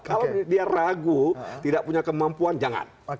kalau dia ragu tidak punya kemampuan jangan